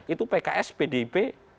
itu pks pdp